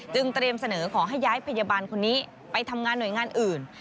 เตรียมเสนอขอให้ย้ายพยาบาลคนนี้ไปทำงานหน่วยงานอื่น